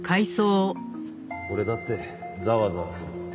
俺だってざわざわする。